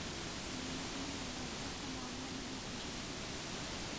یہ ان کے لیے ملازمت کا معاملہ نہیں، ایک مشن تھا۔